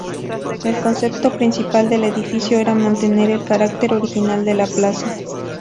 El concepto principal del edificio era mantener el carácter original de la plaza.